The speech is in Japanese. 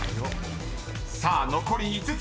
［さあ残り５つ。